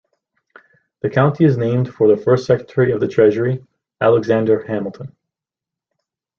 The county is named for the first Secretary of the Treasury, Alexander Hamilton.